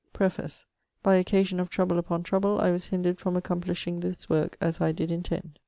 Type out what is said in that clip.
Preface: 'by occasion of trouble upon trouble I was hindered from accomplishing this work as I did intend.'